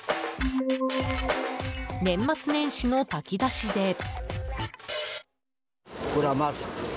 年末年始の炊き出しで。